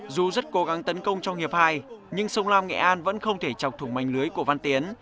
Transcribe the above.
dù rất cố gắng tấn công trong hiệp hai nhưng sông lam nghệ an vẫn không thể chọc thủng mảnh lưới của văn tiến